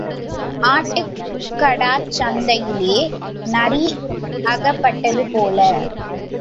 ஆட்டுக்கடாச் சண்டையிலே நரி அகப்பட்டதுபோல.